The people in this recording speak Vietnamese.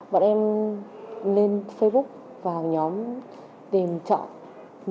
bọn em lên facebook và nhóm tìm trọ